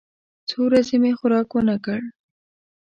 څو ورځې مې خوراک ونه کړ.